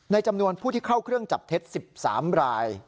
จำนวนผู้ที่เข้าเครื่องจับเท็จ๑๓ราย